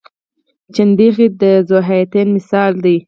چنډخې د ذوحیاتین مثال دی